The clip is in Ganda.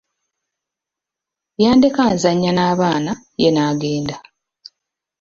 Yandeka nzannya n'abaana ye n'agenda.